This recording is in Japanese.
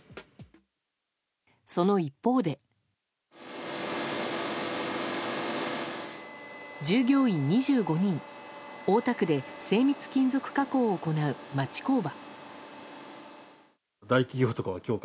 その一方で従業員２５人、大田区で精密金属加工を行う町工場。